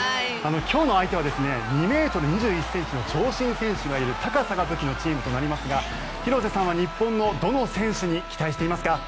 今日の相手は２ｍ２１ｃｍの長身選手がいる高さが武器のチームとなりますが広瀬さんは日本のどの選手に期待していますか？